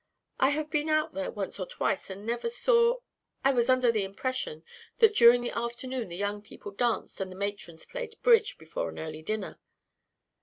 I have been out there once or twice and never saw I was under the impression that during the afternoon the young people danced and the matrons played bridge before an early dinner."